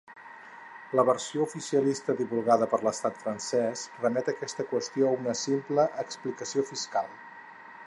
La versió oficialista divulgada per l'Estat francès remet aquesta qüestió a una simple explicació fiscal.